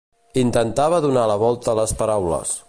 Intentava donar la volta a les paraules.